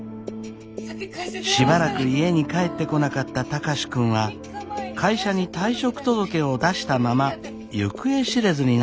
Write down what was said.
しばらく家に帰ってこなかった貴司君は会社に退職届を出したまま行方知れずになっていたのです。